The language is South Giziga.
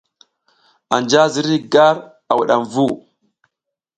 Anja ziriy gar a wudam vu.